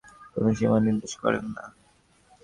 তিনিও মানুষের নিঃস্বার্থপরতার কোন সীমা নির্দেশ করেন না।